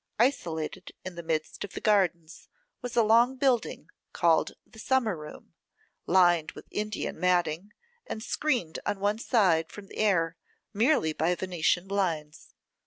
Isolated in the midst of the gardens was a long building, called the summer room, lined with Indian matting, and screened on one side from the air merely by Venetian blinds.